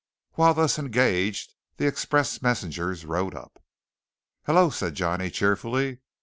While thus engaged the express messengers rode up. "Hullo!" said Johnny cheerfully.